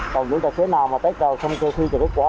còn chúng ta sẽ nào mà test xong cho suy chữ kết quả